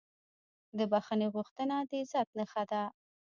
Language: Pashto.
د بښنې غوښتنه د عزت نښه ده.